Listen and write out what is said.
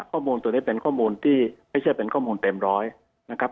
ข้อมูลตัวนี้เป็นข้อมูลที่ไม่ใช่เป็นข้อมูลเต็มร้อยนะครับ